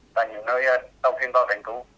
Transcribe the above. tại nhiều nơi tàu huyên vào đánh cứu